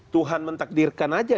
tuhan mentakdirkan aja